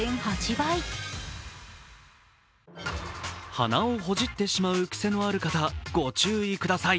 鼻をほじってしまう癖のある方ご注意ください。